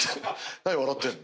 何笑ってんの？